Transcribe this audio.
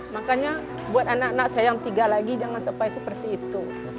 makanya buat anak anak saya yang tiga lagi jangan sampai seperti itu